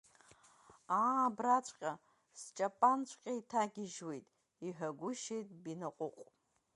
Аа, абраҵәҟьа, сҷапанҵәҟьа иҭагьежьуеит, иҳәагәышьеит Бинаҟәыҟә.